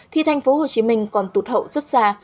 thì thành phố hồ chí minh còn tụt hậu rất xa